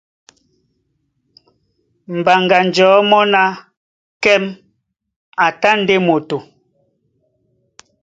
Mbaŋganjɔ̌ mɔ́ ná: Kɛ́m a tá ndé moto.